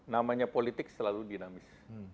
namanya politik selalu dinamis